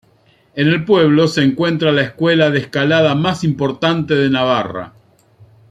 En el pueblo se encuentra la escuela de escalada más importante de Navarra.